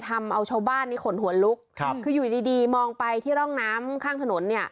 ทำเอาชาวบ้านนี้ขนหัวลุกครับคืออยู่ดีดีมองไปที่ร่องน้ำข้างถนนเนี่ย